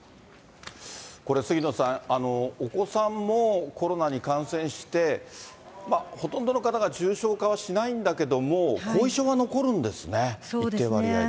これ、杉野さん、お子さんもコロナに感染して、ほとんどの方は重症化はしないんですけども、後遺症が残るんですそうですね。